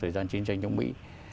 và chiến tranh trong mỹ